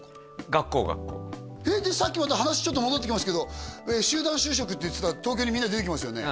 学校学校えっでさっきまた話ちょっと戻ってきますけど集団就職って言ってた東京にみんな出てきますよね？